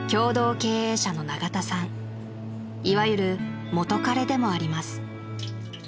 ［いわゆる元カレでもあります］